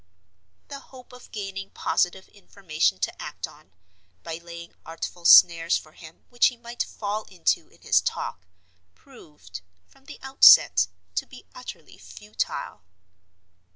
The hope of gaining positive information to act on, by laying artful snares for him which he might fall into in his talk, proved, from the outset, to be utterly futile.